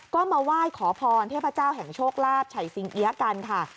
ก็มาไหว้ขอพรเทพเจ้าแห่งโชคลาภชัยสิงเอี๊ยะกันค่ะ